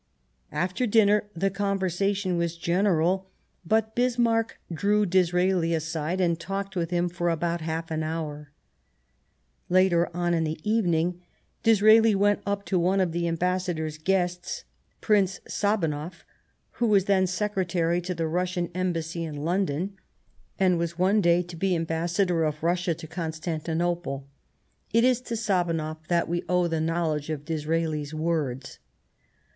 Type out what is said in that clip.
After dinner the conversation was general ; but Bismarck drew Disraeli aside and talked with him for about half an hour. Later on in the evening Disraeli went up to one of the Am bassador's guests — Prince Sabonoff, who was then Secretary to the Russian Embassy in London, and was one day to be Ambassador of Russia to 117 Bismarck Constantinople. It is to Sabonoff that we owe the knowledge of Disraeli's words.